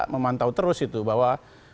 memantau terus itu bahwa